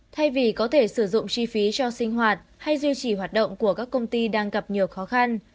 thay vì có thể sử dụng chi phí cho sinh hoạt hay duy trì hoạt động của các công ty đang gặp nhiều khó khăn